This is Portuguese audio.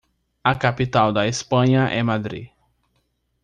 A capital da Espanha é Madri.